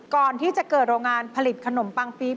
ก่อนที่จะเกิดโรงงานผลิตขนมปังปี๊บ